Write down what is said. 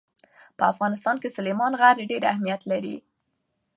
په افغانستان کې سلیمان غر ډېر اهمیت لري.